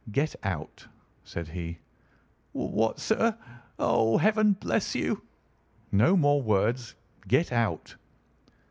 "Get out!" said he. "What, sir! Oh, Heaven bless you!" "No more words. Get out!"